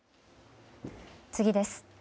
次です。